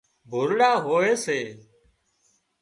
ڀولڙا هوئي سي